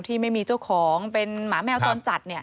ที่ไม่มีเจ้าของเป็นหมาแมวจรจัด